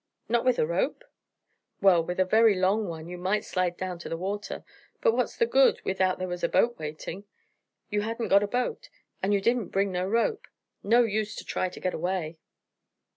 "Not with a rope?" "Well, with a very long one you might slide down to the water, but what's the good, without there was a boat waiting? You hadn't got the boat, and you didn't bring no rope. No use to try to get away."